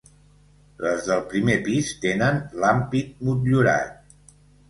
Les del primer pis tenen l'ampit motllurat.